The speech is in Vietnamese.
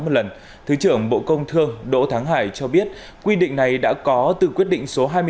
một lần thứ trưởng bộ công thương đỗ thắng hải cho biết quy định này đã có từ quyết định số hai mươi bốn